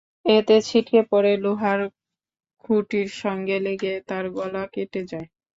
এতে ছিটকে পড়ে লোহার খুঁটির সঙ্গে লেগে তাঁর গলা কেটে যায়।